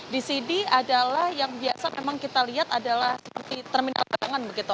di sini adalah yang biasa memang kita lihat adalah seperti terminal lamongan begitu